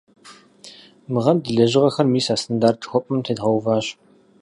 Мы гъэм ди лэжьыгъэр мис а стандарт жыхуэпӀэм тедгъэуващ.